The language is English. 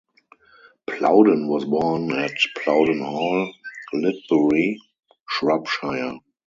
Plowden was born at Plowden Hall, Lydbury, Shropshire.